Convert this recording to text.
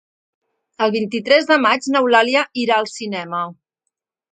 El vint-i-tres de maig n'Eulàlia irà al cinema.